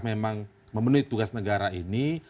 memang memenuhi tugas negara ini